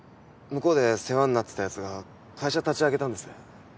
向こうで世話になってたやつが会社立ち上げたんです。